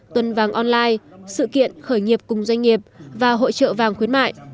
tuần vàng online sự kiện khởi nghiệp cùng doanh nghiệp và hội trợ vàng khuyến mại